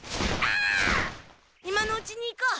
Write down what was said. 今のうちに行こう！